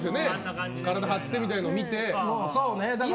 体張ってみたいなのを見てね。